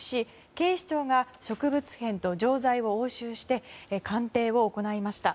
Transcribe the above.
警視庁が植物片と錠剤を押収して、鑑定を行いました。